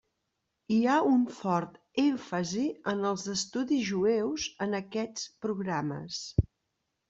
Hi ha un fort èmfasi en els estudis jueus en aquests programes.